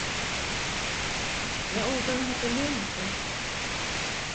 Ne olduğunu hatırlıyor musun?